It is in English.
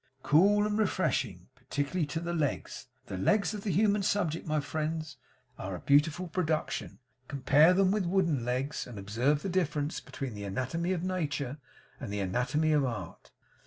Cool and refreshing; particularly to the legs! The legs of the human subject, my friends, are a beautiful production. Compare them with wooden legs, and observe the difference between the anatomy of nature and the anatomy of art.